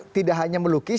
tidak hanya melukis